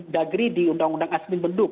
dageri di undang undang asmi benduk